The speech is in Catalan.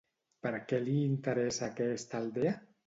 Per què li interessa aquesta aldea?